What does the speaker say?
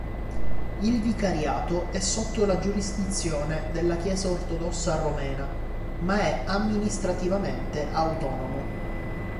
Il vicariato è sotto la giurisdizione della chiesa ortodossa romena, ma è amministrativamente autonomo.